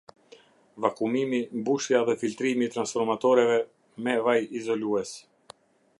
Vakumimi, mbushja dhe filtrimi i transformatoreve me vaj izolues